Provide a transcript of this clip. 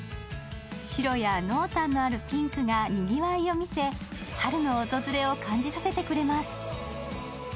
白や濃淡のあるピンクが賑わいを見せ春の訪れを感じさせてくれます。